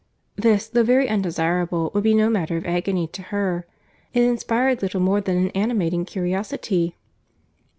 —This, though very undesirable, would be no matter of agony to her. It inspired little more than an animating curiosity.